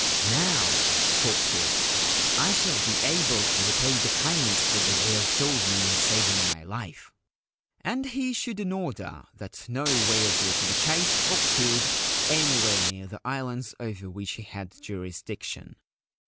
'Now/ thought he, ' 1 shall be able to repay the kindness that the whale showed me in saving my life !' And he issued an order that no whales were to be chased or killed anywhere near the islands over which he had jurisdiction.